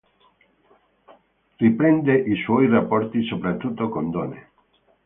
Riprende i suoi rapporti soprattutto con donne.